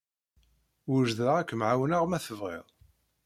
Wejdeɣ ad kem-ɛawneɣ ma tebɣid.